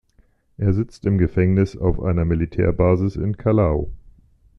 Er sitzt im Gefängnis auf einer Militärbasis in Callao.